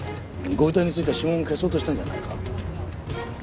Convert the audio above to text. ご遺体に付いた指紋を消そうとしたんじゃないか？